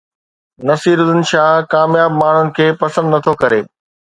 نصيرالدين شاهه ڪامياب ماڻهن کي پسند نٿو ڪري